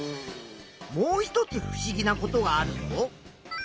もう一つふしぎなことがあるぞ。